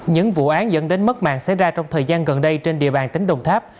những vụ án dẫn đến mất mạng xảy ra trong thời gian gần đây trên địa bàn tỉnh đồng tháp